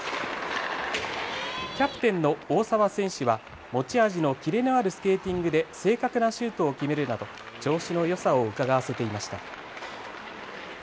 キャプテンの大澤選手は、持ち味のキレのあるスケーティングで、正確なシュートを決めるなど、調子のよさをうかがわせていました。